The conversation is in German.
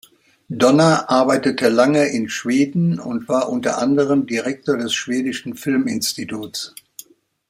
Donner arbeitete lange in Schweden und war unter anderem Direktor des Schwedischen Filminstituts.